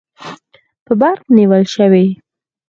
په برق نیول شوي